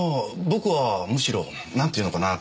僕はむしろ何て言うのかな。